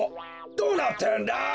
どうなってるんだ？